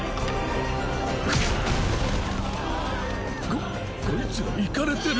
ここいつらイカレてる。